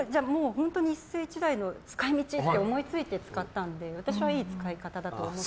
本当に一世一代の使い道って思いついて使ったので私はいい使い方だと思って。